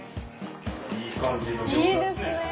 いい感じの餃子ですね。